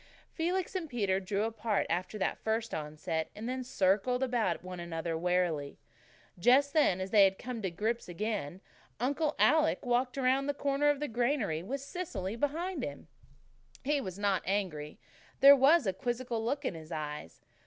Felix and Peter drew apart after that first onset, and circled about one another warily. Then, just as they had come to grips again, Uncle Alec walked around the corner of the granary, with Cecily behind him. He was not angry. There was a quizzical look in his eyes.